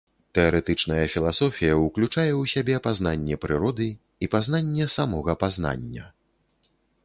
Тэарэтычная філасофія ўключае ў сябе пазнанне прыроды і пазнанне самога пазнання.